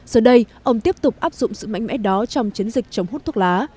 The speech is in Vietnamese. giờ đây ông tiếp tục áp dụng sự mạnh mẽ đó trong chiến dịch chống hút thuốc lá